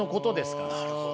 なるほど。